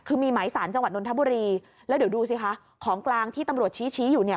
คือมีหมายสารจังหวัดนทบุรีแล้วเดี๋ยวดูสิคะของกลางที่ตำรวจชี้อยู่เนี่ย